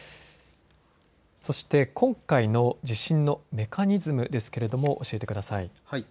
そして今回の地震のメカニズムですけれども教えてください。